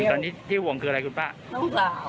ตอนนี้ที่ห่วงคืออะไรคุณฟ้าน้องสาว